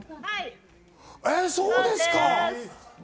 そうですか。